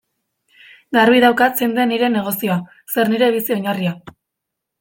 Garbi daukat zein den nire negozioa, zer nire bizi-oinarria.